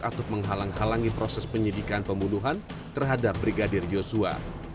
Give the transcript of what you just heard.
atau menghalang halangi proses penyidikan pembunuhan terhadap brigadir yosua